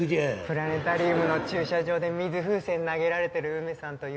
プラネタリウムの駐車場で水風船投げられてる梅さんと夕焼け